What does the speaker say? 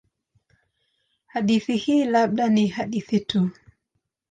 Hadithi hii labda ni hadithi tu.